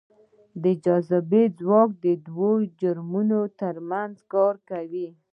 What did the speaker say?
د جاذبې ځواک دوو جرمونو ترمنځ کار کوي.